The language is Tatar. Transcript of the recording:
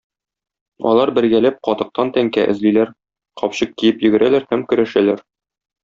Алар бергәләп катыктан тәңкә эзлиләр, капчык киеп йөгерәләр һәм көрәшәләр.